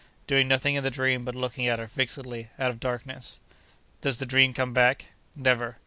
Doing nothing in the dream but looking at her fixedly, out of darkness.' 'Does the dream come back?' 'Never.